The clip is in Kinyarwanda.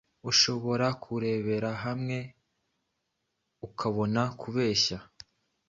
bushobora kureberahamwe ukabona kubeshya